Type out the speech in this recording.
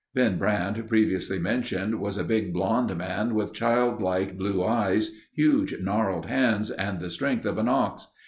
Ben Brandt, previously mentioned, was a big blond man with child like blue eyes, huge gnarled hands and the strength of an ox.